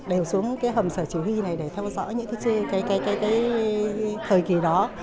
đều xuống cái hầm sở chỉ huy này để theo dõi những cái thời kỳ đó